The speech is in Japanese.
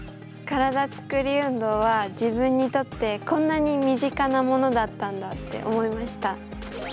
体つくり運動は自分にとってこんなに身近なものだったんだって思いました。